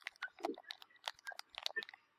苯基三甲基氟化铵是一种季铵盐。